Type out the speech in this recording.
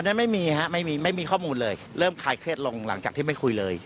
อันนั้นไม่มีครับไม่มีข้อมูลเลยเริ่มทายเครศลงหลังจากที่ไม่คุยเลย